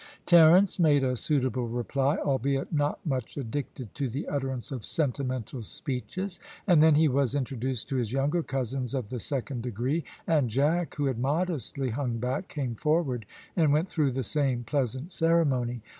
Terence made a suitable reply, albeit not much addicted to the utterance of sentimental speeches, and then he was introduced to his younger cousins of the second degree; and Jack, who had modestly hung back, came forward, and went through the same pleasant ceremony.